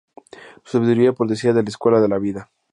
Su sabiduría procedía de la "escuela de la vida".